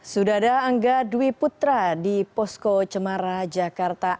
sudada angga dwi putra di posko cemara jakarta